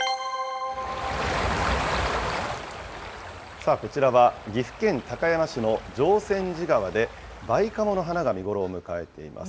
さあ、こちらは、岐阜県高山市の常泉寺川でバイカモの花が見頃を迎えています。